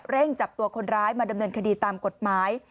จับตัวคนร้ายมาดำเนินคดีตามกฎหมาย